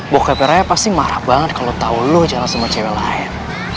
bokap raya pasti marah banget kalo tau lo jalan sama cewek lain